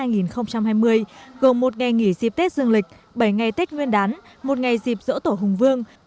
gồm một ngày nghỉ dịp tết dương lịch bảy ngày tết nguyên đán một ngày dịp dỗ tổ hùng vương